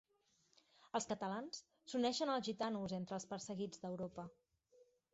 Els catalans s’uneixen als gitanos entre els perseguits d’Europa.